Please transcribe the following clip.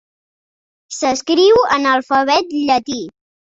S'escriu en alfabet llatí.